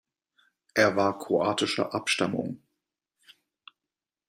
Er war kroatischer Abstammung.